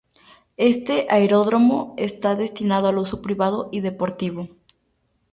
Este aeródromo está destinado al uso privado y deportivo.